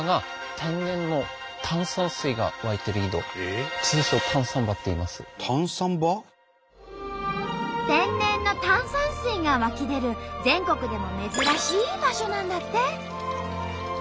天然の炭酸水が湧き出る全国でも珍しい場所なんだって。